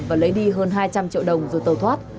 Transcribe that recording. và lấy đi hơn hai trăm linh triệu đồng rồi tàu thoát